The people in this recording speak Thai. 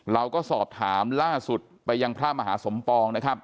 เราก็สอบถามล่าสุดไปยังพระมหาสมปองนะครับ